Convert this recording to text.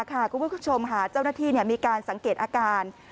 คุณผู้ชมค่ะเจ้าหน้าที่มีการสังเกตอาการ